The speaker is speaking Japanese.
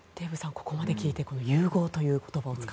ここまで聞いて融合という言葉について。